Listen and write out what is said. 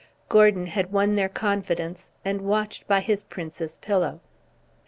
Gordon had won their confidence, and watched by his prince's pillow.